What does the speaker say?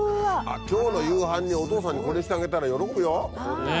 今日の夕飯にお父さんにこれしてあげたら喜ぶよ！